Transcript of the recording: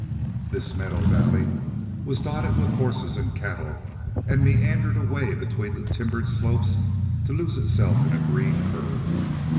This meadow valley was dotted with horses and cattle, and meandered away between the timbered slopes to lose itself in a green curve.